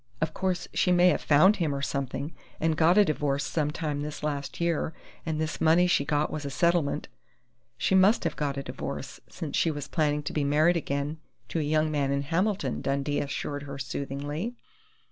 Of course she may have found him or something and got a divorce some time this last year, and this money she got was a settlement " "She must have got a divorce, since she was planning to be married again to a young man in Hamilton," Dundee assured her soothingly.